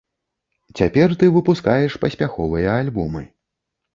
Цяпер ты выпускаеш паспяховыя альбомы.